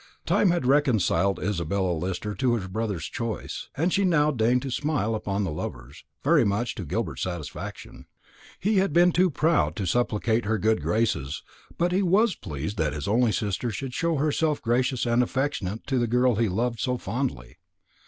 Time had reconciled Isabella Lister to her brother's choice, and she now deigned to smile upon the lovers, very much to Gilbert's satisfaction. He had been too proud to supplicate her good graces; but he was pleased that his only sister should show herself gracious and affectionate to the girl he loved so fondly.